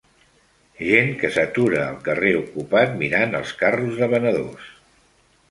Gent que s'atura al carrer ocupat mirant els carros de venedors